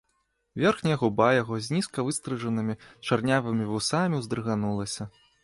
Верхняя губа яго з нізка выстрыжанымі чарнявымі вусамі ўздрыганулася.